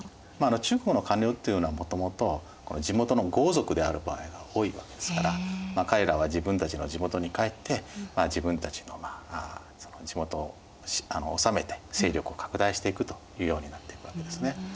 中国の官僚っていうのはもともと地元の豪族である場合が多いわけですから彼らは自分たちの地元に帰って自分たちの地元を治めて勢力を拡大していくというようになっていくわけですね。